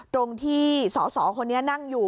ตรงที่สสคนนี้นั่งอยู่